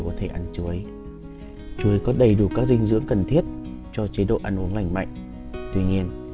có thể ăn chuối chuối có đầy đủ các dinh dưỡng cần thiết cho chế độ ăn uống lành mạnh tuy nhiên